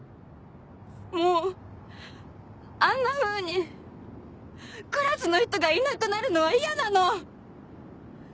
もうあんなふうにクラスの人がいなくなるのは嫌なの！